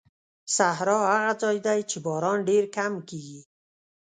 صحرا هغه ځای دی چې باران ډېر کم کېږي.